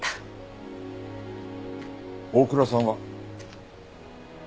大倉さんは？